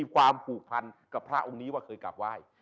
กับพระองค์นี้ว่าเคยกลับไหว้